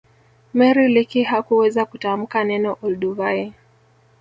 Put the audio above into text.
Mary leakey hakuweza kutamka neno olduvai